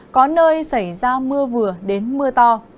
có nơi xảy ra mưa vừa đến mưa to